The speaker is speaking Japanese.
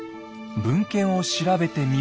文献を調べてみると。